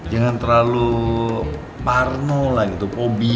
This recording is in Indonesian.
jangan terlalu parno lah gitu hobi